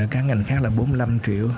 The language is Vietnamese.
các ngành khác là bốn mươi năm triệu